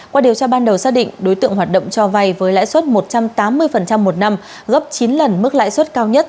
qua điều tra ban đầu xác định đối tượng hoạt động cho vay với lãi suất một trăm tám mươi một năm gấp chín lần mức lãi suất cao nhất